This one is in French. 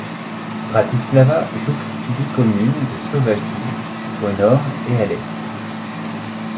Bratislava jouxte dix communes de Slovaquie au nord et à l'est.